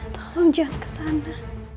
tolong jangan kesana